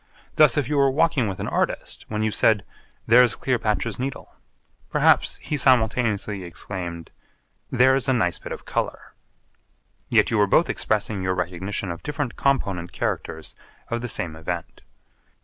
Thus if you were walking with an artist, when you said 'There's Cleopatra's Needle,' perhaps he simultaneously exclaimed 'There's a nice bit of colour.' Yet you were both expressing your recognition of different component characters of the same event.